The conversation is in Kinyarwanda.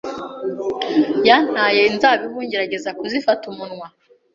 Yantaye inzabibu ngerageza kuzifata umunwa.